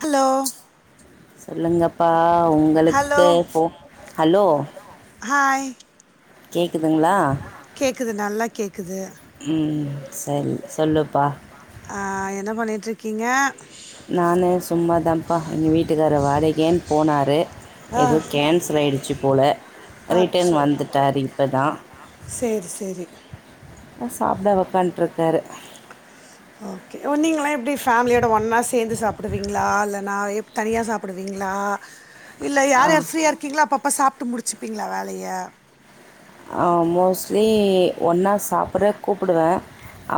Hello சொல்லுங்கப்பா hello உங்களுக்கு போ ஹலோ ஹாய் கேக்குதுங்களா கேட்குது நல்லா கேட்குது உம் செரி சொல்லு ப்ப அ என்ன பண்ணிட்டுருக்கீங்க நானே சும்மதா ப்பா எங்க வீட்டுக்காரு [unintelligible] போனாரு ஆ எதோ கேன்சல் ஆயிடுச்சு போல ரிட்டன் அச்சோ வந்துட்டாரு இப்பதா சரி சரி சாப்ட உக்கண்ட்டுருக்காரு ஓகே நீங்கெல்லா எப்டி ஃபேமிலியோட ஒன்னா சேந்து சாப்புடுவீங்ளா இல்லன்னா எ தனியா சாப்புடுவீங்ளா இல்ல யார் யார் ஃபிரீயா இருக்கீங்களோ அப்ப போ சாப்ட்டு முடிச்சுப்பீங்களா வேலய அ மோஸ்லி ஒன்னா சா சாப்பிட கூப்புடுவே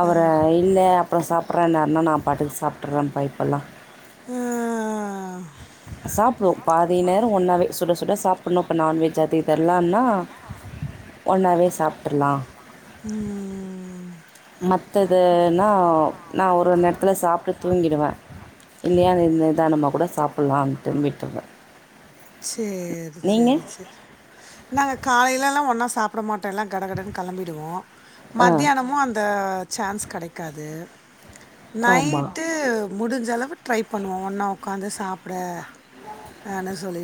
அவர இல்ல அப்புறோ சாப் அப்புற என்னேருன்னா நா பாட்டுக்கு சாப்டு்றே பா இப்பெல்லா ஆ சாப்டுவொ பாதி நேரொ ஒன்னாவே சுட சுட சா இப்போ நான்வெஜ் அது இதெல்லான்னா ஒன்னாவே சாப்ட்ருல்லா உம் மத்ததுனா நா ஒரு நேரத்துல சாப்டு தூங்கிடுவே இல்லியா இந்த இதா நம கூட சாப்புல்லாம்ட்டு விட்ருவே சேர் சேரி செரி நாங்க காலைலல்லா ஒன்னா சா சாப்ட மாட் டோ எல்லா கடகடன்னு கெளம்பிடுவோ ஆ மத்தியானமு அந்த சான்ஸ் கெடைக்காது ஆமாம் நைட்டு முடிஞ்ச அளவு ட்ரை பண்ணுவோ ஒன்னா உக்காந்து சாப்ட அன்னு சொல்லி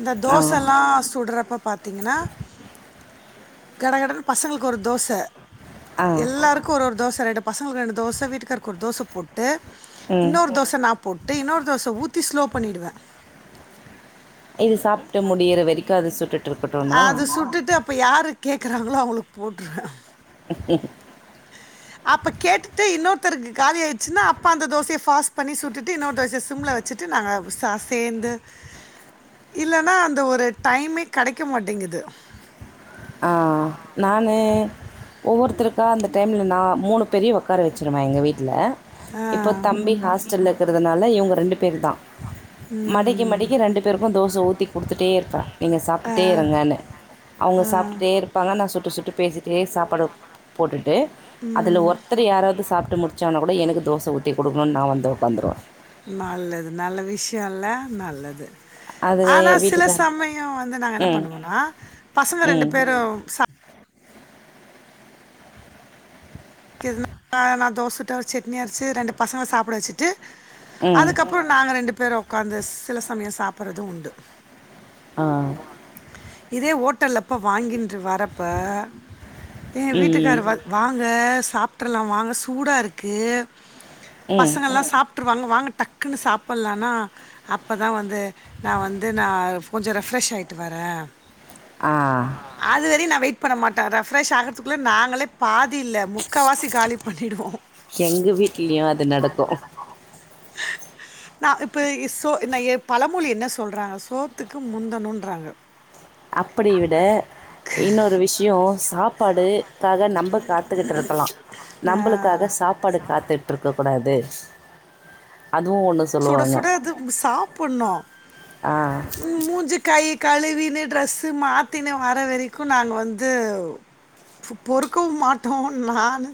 இந்த ஆ தோசல்லா சுடுறப்ப பாத்தீங்கன்னா கட கடன்னு பசங்களுக்கு ஒரு தோச ஆ எல்லாருக்கு ஒரு ஒரு தோச ரெண்டு பசங்களுக்கு ரெண்டு தோச வீட்டுக்காரக்கு ஒரு தோச போட் டு ம் இன்னொரு தோச நா போட்டு இன்னொரு தோச ஊத்தி ஸ்லோ பண்ணிடுவே இது சாப்டு முடியிற வரைக்கு அது சுட்டுட்டு இருக்கட்டும்னா அது சுட்டுட்டு அப்ப யாரு கேக் கறாங்களோ அவங்களுக்கு போட்ருவே உம் க்கு காலியாச்சுன்னா அப்ப அந்த தோசய ஃபாஸ்ட் பண்ணி சுட்டுட் டு இன்னொரு தோசய சிம்ல வெச்சிட்டு நாங்க சா சேந்து இல்லன்னா அந்த ஒரு டைமே கெடைக்க மாட்டேங்குது ஆ நானு ஒவ்வொருத்தருக்கா அந்த டைமில நா மூணு பேரையு உட்கார வெச்சுருவே எங்க வீட்ல ஆ, இப்போ தம்பி ஹாஸ்டல்ல இருக்கறதுனால இவங்க ரெண்டு பேருதா மடக்கி ம், மடக்கி ரெண்டு பேருக்கு தோச ஊத்திக் குடுத்துட்டே இர்ப்பா நீங்க ஆ, சாப்டுட்டே இருங்கனு அவுங்க சாப் சுட்டே இருப்பாங்க நான் சுட்டு சுட்டு பேசிட்டே சாப் பலுப் போடு ட்டு அதுல ஒர்த்தர் யாராது சாப்ட்டு முடி சானா கூட எனக்கு தோச ஊத்தி குடுக்குணுன் நா வந்து உக்காந்துருவ நல்லது நல்ல விஷ்யோல நல்லது அது ஆனா சில வீட்டுக்கார் சமய வந்து நாங்க என்ன ம் பண்ணுவனா பசங்க ரெண்டு ம் பேரும் சா னா நா தோச சுட்டு அவரு சட்னி அரைச்சு ரெண்டு பசங்கள சாப்ட வெச்சுட்டு ம் அதுக்கப்பற நாங்க ரெண்டு பேரு உக்காந்து சில சமய சாப்பர்றது உண்டு ஆ இதே ஓட்டல்ல ப வாங்கின்று வரப்ப எ வீட்டுக்காரு ம் வ வாங்க சாப்ட்ருலா வாங்க சூடா இருக்கு ம் பசங்கெல்லா சாப்ட்ருவாங்க வாங்க டக் குனு சாப்புல்லானா அப்பதா வந்து நா வந்து நா கொஞ்ச ரெஃப்ரெஷ் ஆய்ட்டு வர ஆ அதுவரியு நா வெய்ட் பண்ண மாட்ட ரெஃபிரஷ் ஆகறதுக்குள்ள நாங்களே பாதி இல்ல எங்க வீட்லியு அது நடக்கு நா இப்ப இ சோ இன்னயே பழமொழி என்ன சொல்றாங்க சோத்துக்கு முந்தணுன்றாங்க அப்படி விட இன்னொரு விஷ்யோ சாப்பாடு க்காக நம்ப காத்துக்கிட்ருக்குலா ஆ நம்புளுக்காக சாப்பாடு காத்துட்ருக்க கூடாது அதுவு ஒன்னு சுட சொல்லுவாங்க சுட அது சாப்புண்ணு ஆ ம் மூஞ்சு கை கழுவி ட்ரெஸ்ஸு மாத்தினு வர வரைக்கு நாங்கு வந்து பொ பொறுக்கவு மாட்டோ நானு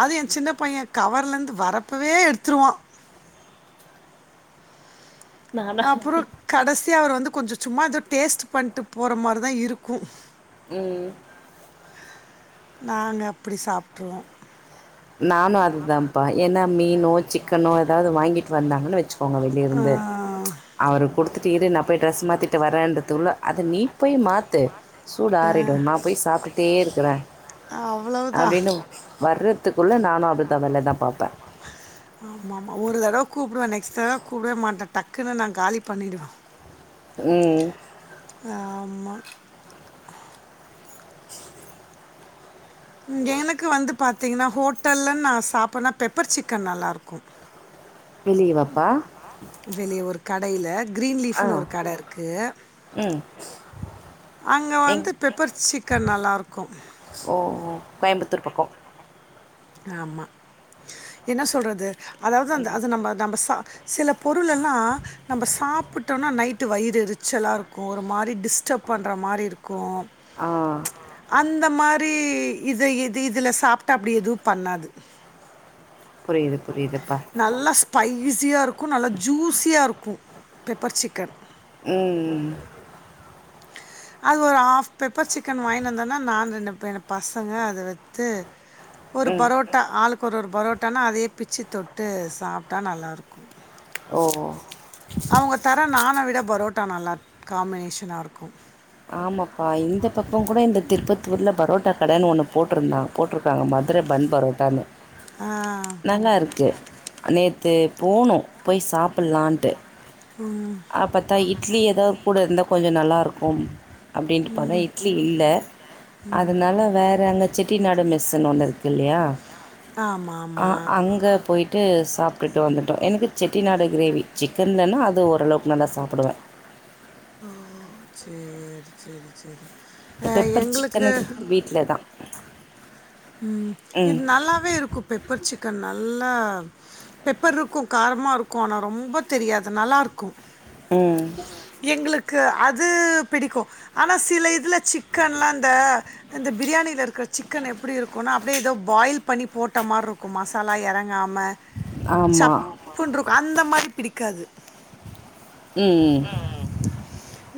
அது எ சின்ன பைய கவர்லந்து வரப்புவே எடுத்துருவா அப்பறோ கடசி யா அவரு வந்து கொஞ்ச சும்மா எதோ டேஸ்ட் பண்ட்டு போற மாருதா இருக்கு ம் நாங்க அப்டி சாப்ட்ருவோ நானு அதுதாம்ப்பா ஏனா மீனோ சிக்கனோ எதாது வாங்கிட்டு வந்தாங்கன் வெச்சு கோங்க வெளிய இருந்து ஆ அவரு குடுத்துட்டு இரு நா போய் ட்ரெஸ் மாத்திட் டு வரன்றதுகுள்ள அத நீ போய் மாத்து சூடு ஆறிடு நா போய் சாப்டுட்டே இருக்குற அ அவ்ளவுதா அப்டின்னு வர்ற த்துகுள்ள நானு அப்புட்தா வேல தா பாப்ப ஆமாம்மா ஒரு தடவ கூப்டுவ நெக்ஸ்ட் தடவ கூப்டவே மாட்ட டக்குனு நா காலி பண்ணிடுவ ம் ஆமா எனக்கு வந்து பாத்திங்கனா ஹோட்டல்ல நா சாப்பனா பெப்பர் சிக்கன் நல்லாருக்கு வெளியவா ப்பா வெளிய ஒரு கடையில கிரீன் ஆ லீஃப்ன்னு ஒரு கட இருக்கு ம் அங்க எங் வந்து பெப்பர் சிக்கன் நல்லாயிருக்கு ஓ கோயம்புத்தூர் பக்கோ ஆமா என்ன சொல்றது அதாவது அந்த அத நம்ப நம்ப சா சில பொருளெல்லா நம்ப சாப்டோம்னா நைட்டு வயிறு எரிச்சலாருக்கு ஒரு மாரி டிஸ்டப் பண்ற மாரி இருக் கு ஆ அந்த மாரி தி இது இது இதுல சாப்ட்டா அப்டி எதுப் பண்ணாது புரியுதுப் புரியுதுப்பா நல்லா ஸ்பைசியா இருக்கு நல்லா ஜூஸியா இருக்கு பெப்பர் சிக் ம் ம் ம் அது ஒரு ஹாஃப் பெப்பர் சிக்கன் வாய்ந்து வந்தோன்னா நா ரெண்டு பெயனு பசங்க அத வெத்து ஒரு ம் பரோட்டா ஆளுக் கொரு ஒரு பரோட்டானா அதே பிச்சி தொட்டு சாப்ட்டா நல்லாயிருக்கு ஒ ஒ அவங்க தர நான்ன விட பரோட் கா நல்லாக் காம்பினேஷனா இருக்கு ஆமாப்பா இந்த பக்க கூட இந்த திருப்பத்தூர்ல பரோட்டா கடனு ஒன்னு போட்டுருந்தா போட்டுருக்காங்க மதுர பன் பரோட்டான்னு ஆ நல்லா இருக்கு நேத் தே போனோ போய் சாப்பிட்லான்ட்டு ம் அப்பத் தா இட்லி எதாவது கூட இருந்தாவு கொஞ்சோ நல்லாயிருக்கு அப் அப்டின்ட்டு பாத்தா இட்லி இல்ல அதனால வேற அங்க செட் டிநாடு மெஸ்ஸுனு ஒன்னு இருக்கில்லயா ஆமாம் ஆ ஆமாம் அங்க போயிட்டு சாப் போய்ட்டு வந்துட்டோ எனக்கு செட்டிநாடு கிரேவி சிக்கன்லனா அது ஓரளவுக்கு நல்லா சாப்டுவே ஆ சேரி சேரி சேரி பெப்பர் சிக்கன்றது வீட்ல தா ம் இது ம் நல்லாவே இருக்கு பெப்பர் சிக்கன் நல் நல்லா பெப்பர் இருக்கும் காரமா இருக்கும் ஆனா ரொம்ப தெரியாது நல்லா இருக்கும் ம் கு அது பிடிக்கும் ஆனா சில இதுல சிக்கன்லா இந்த இந்த பிரியாணியில இருக்கிற சிக்கன் எ அப்படி இருக்கும்னா அப்படியே ஏதோ பாயில் பண்ணி போட்ட மாதிரி இருக்கும் மசாலா இறங்காம ஆமா சப்புன்டு இருக் அந்த மாரி பிடிக்காது ம்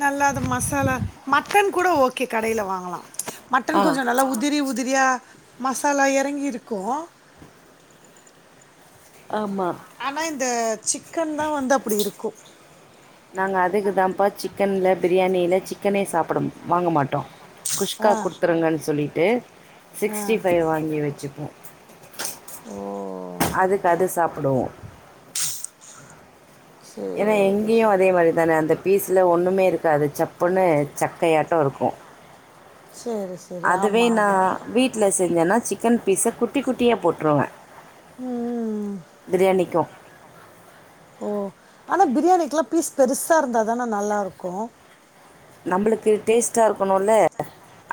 நல்லா அது மசாலா மட் மட்டன் கூட ஓகே கடைல வாங்கலாம் மட்டன் ஆ கொஞ்சோ நல்லா உதிரி உ பிரியா மசாலா எறங்கிருக்கோ ஆமா இந்த சிக் கன்தா வந்து அப்டி இருக்கோ நாங்க அதுக்கு தான்ப்பா சிக்கன்ல பிரியாணில சிக் சிக்கனே சாப்பிட வாங்க மாட்டோம் குஷ்கா ஆ, கொடுத்துருங்கன்னு சொல்லிட்டு ஆ. சிக்ஸ்ட்டி ஃபைவ் வாங்கி வச்சுப்போம் ஓ! அதுக்கு அது சாப்பிடுவோம் ஏன்னா சரி. எங்கேயும் அதே மாதிரி தானே அந்த பீஸ் ல ஒன்னுமே இருக்காது சப்புன்னு சக்கையாட்டோ இருக்கோ சேரி சேரி அதுவே ஆமா ஆமா நான் வீட்டு்ல செஞ்சேன்னா சிக்கன் பீஸ் குட்டி குட்டி தீய போட்ருவ ம் பிரியாணிக்கு ஓ ஆனா பிரியாணிக்குலா பீஸ் பெருசா இருந்தாதானா நல்லா இருக்கோ நம்முளுக்கு டேஸ்டா இருக்கணோனு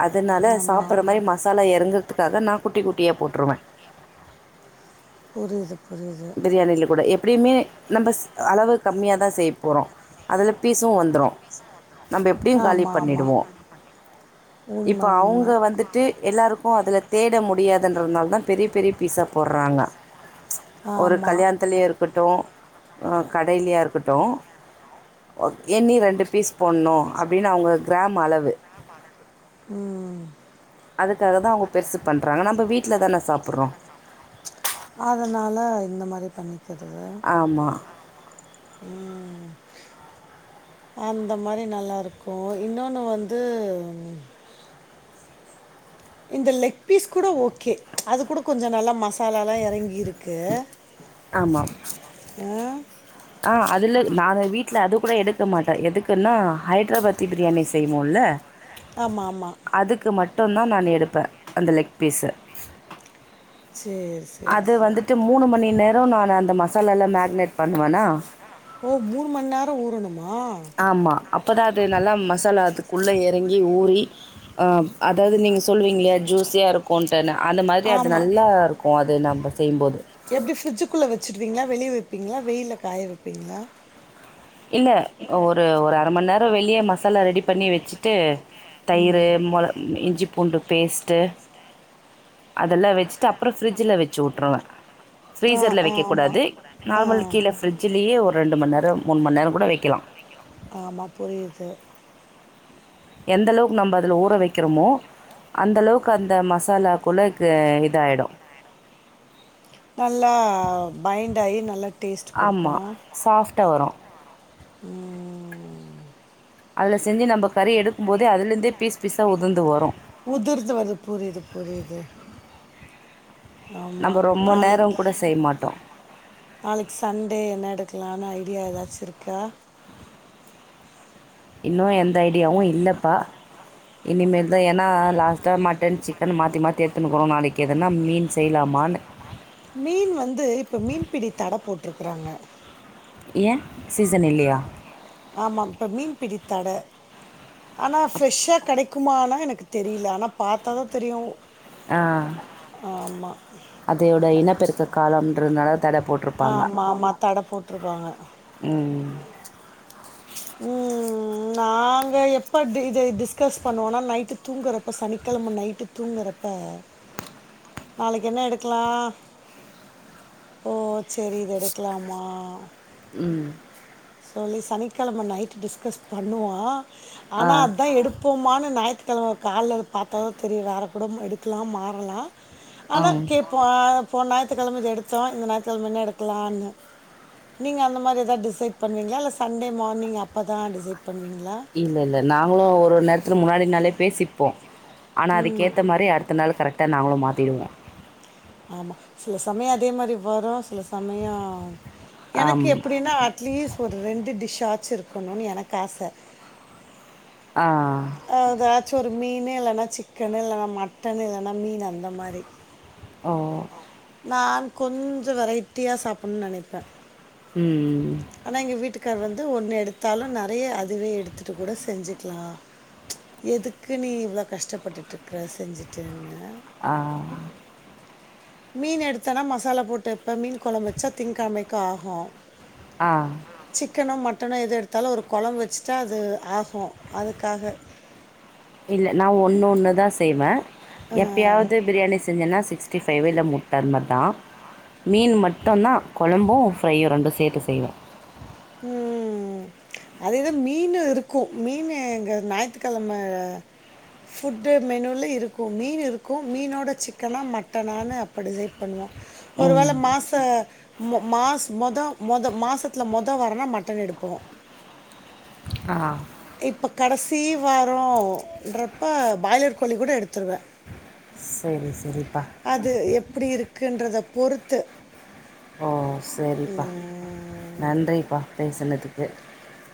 அதனால ஆமா சாப்பிட்ற மாரி மசாலா இறங்கறதுக்காக நான் குட்டி குட்டியாக போட்டுருவேன் புரியுது புரியுது பிரியாணில கூட எப்ப அப்டியுமே நம்ம அளவு கம்மியாதா செய்ய போறோ அதுல பீஸு வந் ம் நம்ம எப்டியு காலி ஆமா ஆமா பண்ணிடுவோ இப்ப உண்ம உண்ம அவுங்க வந்துட்டு எல்லாருக்கோ ப்ப அதில தேட முடியாதுன்றதுனால தான் பெரிய பெரிய பீஸா போட்றாங்க ஒரு ஆமா கல்யாணத்துலயே இருக்கட்டோ கடையலயா இருக்கட்டோ எண்ணி ரெண்டு பீஸ் போட்ணோ அப்டீனு அவுங்க கிராம் அளவு ம் அதுக்காகதா அவங்க பெருசு பண்றாங்க நம்ம வீட் வீட்ல தான சாப்பட்றோம் அதனால இந்த மாரி பண்ணி ஆமா ம் அந்த மாரி நல்லாருக்கும் இன்னொன்னு வந்து இந்த லெக் பீஸ் கூட ஓகே அது கூட கொஞ்சம் நல்லா மசாலாலெலாம் எறங்கிருக்கு ஆமாம் ஆ அதுல நாங்க வீட்டுல அது கூட எடுக்க எடுக்க மாட்டோம் எதுக்குன்னா ஹைதராபாத்தி பிரியாணி செய்வோல ஆமா ஆமா அதுக்கு மட்டும் தான் நான் எடுப்பேன் அந்த லெக் பீஸு சேரி சேரி அது சேரி வந்துட்டு மூணு மணி நேரம் நா அந்த மசாலா எல்லாம் மேனேட் பண்ணுவேனா ஓ மூணு மணி நேரம் ஊறணுமா ஆமா அப்பதான் அது நல்லா மசாலா அது உள்ளே எறங்கி ஊறி ம் அதாவது நீங்க சொல்லுவீங்களே ஜூஸியா இருக்கும்ன்ட்டு நான் அந்த மாதிரி அது ஆமா நல்லா இருக்கும் அது நம்ப செய்யும்போது இல்ல வெயில காய வெப்பீங்களா இல்ல ஒரு ஒரு அரை மண் நேர வெளிய ம சாலா ரெடி பண்ணி வெச்சிட்டு தயிரு மொள இஞ்சி பூண்டு பேஸ்ட்டு அதெல்லா வெச்சுட்டு அப்புற ஃப்ரிட்ஜில் வச்சு வுட்டுருவேன் ஆ ஃப்ரீசர்ல ஆ வெக்க ஆமா கூடாது ஆ நார்மல் கீழ ஃபிரிட்ஜிலயே ஒரு ரெண்டு மண் நேர மூணு மண் நேர கூட வெக்கலா ஆமா புரியுது எந்தளவுக்கு நம்ம அதுல ஊற வெக்கறமோ அந்த அளவுக்கு அந்த மசாலாக்குள்ள க இதாயிடு நல்லா பைண்ட் ஆயி நல்லா டேஸ்ட் குடுக்கு ஆம்மா சாஃப்டா வரு ம் அதுல செஞ்சு நம்ம கறி எடுக்கும் போதே அதுலருந்தே பீஸ் பீஸா உதுந்து வரு உதிர்ந்து வரு புரியுது புரியுது ஆமா நம்ம ரொம்ப நேரோ நாளைக்கு கூட செய்ய மாட்டோ நாளைக்கு சண்டே என்ன எடுக்கலானு ஐடியா ஏதாச்சு இருக்கா இன்னு எந்த ஐடியாவு இல்லப்பா இனிமேல்தா ஏன்னா லாஸ்ட்டா மட்டன் சிக்கன் மாத்தி மாத்தி எடுத்துனுக்றோ நாளைக்கு எதுனா மீன் செய்யலாமானு மீன் வந்து இப்ப மீன்பிடி தடை போட்ருக்கறாங்க ஏ சீசன் இல்லையா ஆமா இப்ப மீன் பிடித்தட ஆனா ஃப்ரெஷ்ஷா கெடைக்குமானா எனக்கு தெரில ஆனா பாத்தாதா தெரியு ஆ அதையோட இனப்பெருக்க காலம்ன்றனால தட போட்ருப்பாங்க ஆமாம் ஆமாம் தடை போட்டிருப்பாங்க ம் ம் நாங்க எப்ப டி இத டிஸ்கஸ் பண்ணுவோன்னா நைட்டு தூங்குறப்ப சனிக்கெழம நைட்டு தூங்குறப்ப நாளக்கி என்ன எடுக்லா ஓ சேரி இத எடுக்கலாமா உம் சொல்லி சனிக்கெழம நைட்டு டிஸ்கஸ் பண்ணுவா ஆ ஆனா அதா எடுப் போமான் ஞாய்த்துக்கெழம கால்ல பாத்தா தா தெரியு வேற கூட ம் எடுக்கலா மாறலா ஆ ஆனா கேப்போ போன ஞாய் த்துக்கெழமைக்கு எடுத்தோ இந்த ஞாய்த்துக்கெழம என்ன எடுக்கலானு நீங்க அந்த மாரி எதாது டிசைட் பண்வீங்களா இல்ல சண்டே மார்னிங் அப்ப தா டிசைட் பண்ணுவீங்களா இல்ல இல்ல நாங்களு ஒரு நேரத்துக்கு முன்னாடி முன்னாலே பேசிப்போ ஆனா அதுக்கேத்த மாரி அடுத்த நாளு கரெக்ட்டா நாங்களு மாத் திருவோ ஆமா சில சமயோ அதே மாரி வரு சில சமயோ எனக்கு ஆம் எப்டின்னா அட்லீஸ் ஒரு ரெண்டு டிஷ் ஆ ச்சிருக்கணுன் எனக்கு ஆசை ஆஹ் ஆஹ் ச்சு ஒரு மீனு இல்லன்னா சிக்கனு இல்லன்னா மட்டனு இல்லன்னா மீன் அந்த மாரி மாதிரி ஓ நான் கொஞ்ச வெரைட்டியா சாப்புட்ன் நெனைப்பே உம் ம் ஆனா எங்க வீட்டுக் கார் வந்து ஒன்னு எடுத்தாலு நெறையா அதுவே எடுத்துட்டு கூட செஞ்சுக்லா எதுக்கு நீ இவ்வளோ கஷ்டப்பட்டுட்ருக்க செஞ்சுட்டுன்னு ஆஹ் மீன் எடுத்தோனா மசாலா போட்டு வெப்ப மீன் கொழம் வெச்சா திங்கெழமைக்கு ஆஹு ஆ சிக்கனு மட் டனோ எது எடுத்தாலு ஒரு கொழம்ப் வச்சிட்டா அது ஆஹு அதுக்காக இல்ல நா ஒன்னு ஒன்னு தா செய்வே ஆஹ், எப்பயாவ்து பிரியாணி செஞ்சன்னா சிக்ஸ் ட்டி ஃபைவு இல்ல முட்ட அது மாரி தா மீன் மட்டுந்தா கொழம்பு ஃப்ரையு ரெண்டு சேத்து செய்வோ உம் அதே தா மீனு இருக்கு மீன் எங்க ஞாய்த்துக்கெழமை ஃபுட்டு மெனுல இருக்கு மீன் இருக்கு மீனோட சிக்கனா மட்டனான்னு அப்ப டிசைட் பண்வோ ஒருவேள ம் மாச மொ மாஸ் மொத மொத மாசத்துல மொ த வாரோன்னா மட்டன் எடுப்போ ஆஹ் இப்ப கடசி வாரோன்றப்ப பாய்லர் கோழி கூட எடுத்துருவே செரி செரி அது எப்பிடி இருக் கின்றத பொறுத்து ஓ செரிப்பா ம். நன்றிப்பா [unintelligible] சொன்னதுக்கு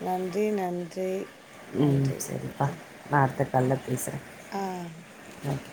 நன்றி நன்றி ம் நன்றி. சரிப்பா நா அட்த்த கால்ல பேசுற ஆ. ஓகே